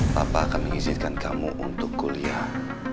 bapak akan mengizinkan kamu untuk kuliah